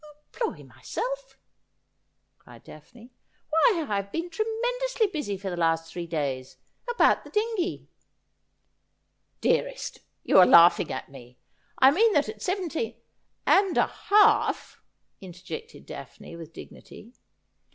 Employ myself !' cried Daphne. ' Why, I have been tre mendously busy for the last three days — about the dingey.' ' Dearest, you are laughing at me. I mean that at seven teen —'' And a half,' interjected Daphne, with dignity.